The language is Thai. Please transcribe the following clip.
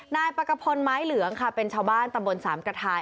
นายปักพลไม้เหลืองค่ะเป็นชาวบ้านตำบลสามกระทาย